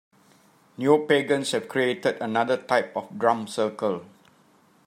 Neopagans have created another type of drum circle.